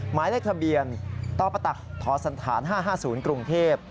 หมายเลขทะเบียนตปตทสันฐาน๕๕๐กรุงเทพฯ